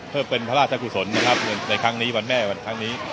เพื่อเป็นพระราชกุศลนะครับในวันแม่วันทางนี้